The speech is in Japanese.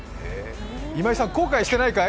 今井さん、後悔してないかい？